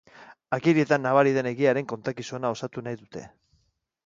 Agirietan nabari den egiaren kontakizuna osatu nahi dute.